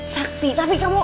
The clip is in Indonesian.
sakti tapi kamu